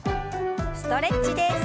ストレッチです。